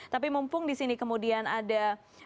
tapi mumpung di sini kemudian ada